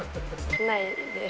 ないです。